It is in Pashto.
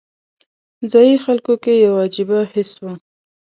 ځایي خلکو کې یو عجیبه حس و.